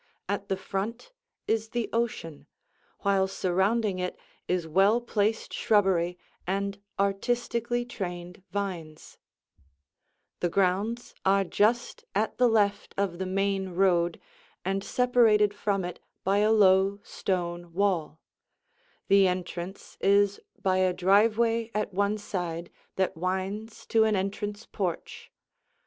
At the front is the ocean, while surrounding it is well placed shrubbery and artistically trained vines. [Illustration: The House from the Driveway] The grounds are just at the left of the main road and separated from it by a low stone wall; the entrance is by a driveway at one side that winds to an entrance porch.